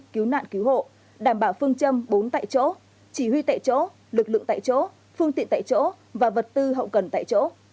cứu nạn cứu hộ đảm bảo phương châm bốn tại chỗ chỉ huy tại chỗ lực lượng tại chỗ phương tiện tại chỗ và vật tư hậu cần tại chỗ